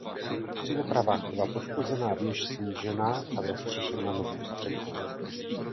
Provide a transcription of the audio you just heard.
Při opravách byla poškozená věž snížená a zastřešena novou střechou.